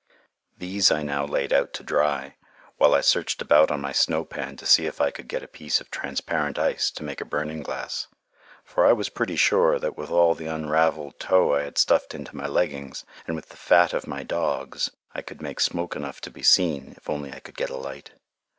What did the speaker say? These I now laid out to dry, while I searched about on my snow pan to see if I could get a piece of transparent ice to make a burning glass. For I was pretty sure that with all the unravelled tow I had stuffed into my leggings, and with the fat of my dogs, I could make smoke enough to be seen if only I could get a light.